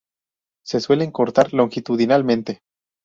Se suelen cortar longitudinalmente.